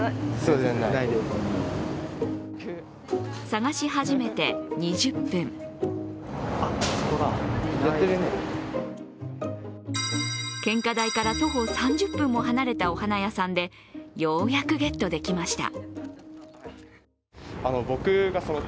探し始めて２０分献花台から徒歩３０分も離れたお花屋さんでようやくゲットできました。